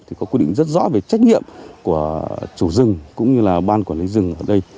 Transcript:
thì có quy định rất rõ về trách nhiệm của chủ rừng cũng như là ban quản lý rừng